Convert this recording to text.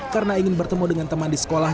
karena ingin bertemu dengan teman di sekolah